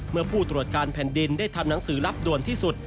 เมื่อผู้ตรวจการแผ่นดินได้ทำหนังสือรับด่วนที่สุด